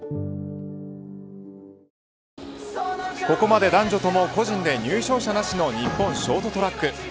ここまで男女とも個人で入賞者なしの日本ショートトラック。